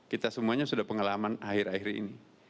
kita semuanya sudah pengalaman akhir akhir ini